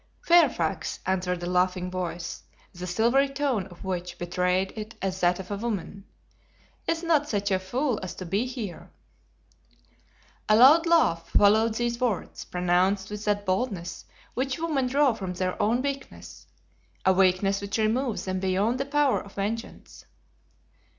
"Fairfax," answered a laughing voice, the silvery tone of which betrayed it as that of a woman, "is not such a fool as to be here." A loud laugh followed these words, pronounced with that boldness which women draw from their own weakness—a weakness which removes them beyond the power of vengeance.